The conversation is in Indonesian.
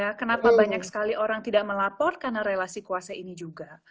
ya kenapa banyak sekali orang tidak melapor karena relasi kuasa ini juga